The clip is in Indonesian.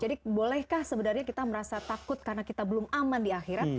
jadi bolehkah sebenarnya kita merasa takut karena kita belum aman di akhirat